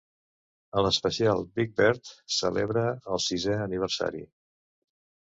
A l'especial, Big Bird celebra el sisè aniversari.